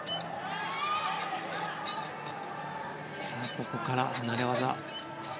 ここから離れ技。